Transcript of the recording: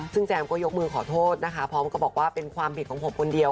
ซึ่งแจมก็ยกมือขอโทษนะคะพร้อมก็บอกว่าเป็นความผิดของผมคนเดียว